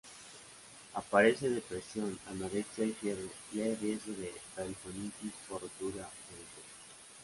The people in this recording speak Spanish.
Aparece depresión, anorexia y fiebre y hay riesgo de peritonitis por rotura de útero.